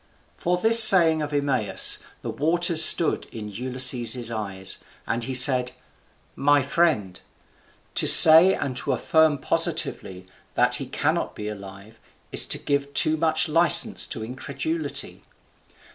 For this saying of Eumaeus the waters stood in Ulysses's eyes, and he said, "My friend, to say and to affirm positively that he cannot be alive is to give too much license to incredulity.